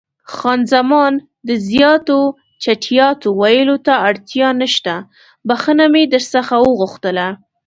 خان زمان: د زیاتو چټیاتو ویلو ته اړتیا نشته، بښنه مې در څخه وغوښتله.